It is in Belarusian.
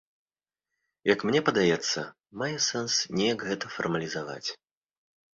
Як мне падаецца, мае сэнс неяк гэта фармалізаваць.